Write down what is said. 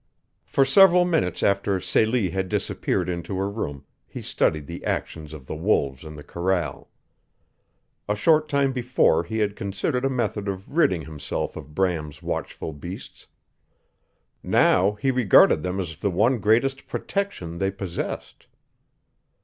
For several minutes after Celie had disappeared into her room he studied the actions of the wolves in the corral. A short time before he had considered a method of ridding himself of Bram's watchful beasts. Now he regarded them as the one greatest protection they possessed.